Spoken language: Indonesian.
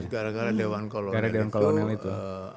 gara gara dewan kolonel itu